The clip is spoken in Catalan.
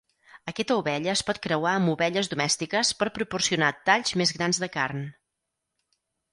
Aquesta ovella es pot creuar amb ovelles domèstiques per proporcionar talls més grans de carn.